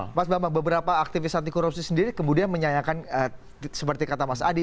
mas bambang beberapa aktivis anti korupsi sendiri kemudian menyanyikan seperti kata mas adi